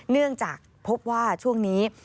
เนื่องจากพบว่าช่วงนี้